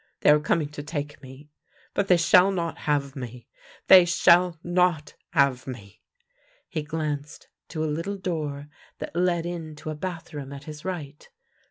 They are coming to take me, but they shall not have me. They shall not have me." He glanced to a little door that led into a bathroom at his right.